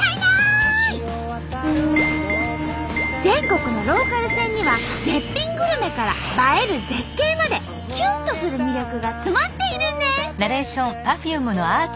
全国のローカル線には絶品グルメから映える絶景までキュンとする魅力が詰まっているんです！